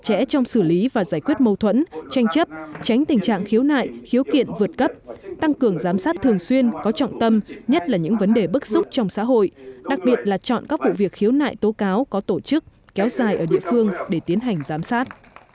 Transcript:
chặt chẽ trong xử lý và giải quyết mâu thuẫn tranh chấp tránh tình trạng khiếu nại khiếu kiện vượt cấp tăng cường giám sát thường xuyên có trọng tâm nhất là những vấn đề bức xúc trong xã hội đặc biệt là chọn các vụ việc khiếu nại tố cáo có tổ chức kéo dài ở địa phương để tiến hành giám sát